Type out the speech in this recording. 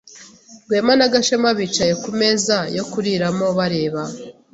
Rwema na Gashema bicaye ku meza yo kuriramo bareba.